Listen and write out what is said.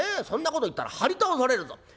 そんなこと言ったら張り倒されるぞ。